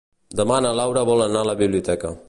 Demà na Laura vol anar a la biblioteca.